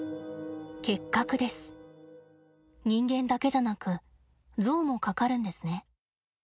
人間だけじゃなくゾウもかかるんですね。